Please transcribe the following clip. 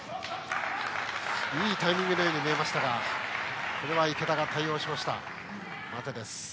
いいタイミングのように見えましたが池田が対応して、待てです。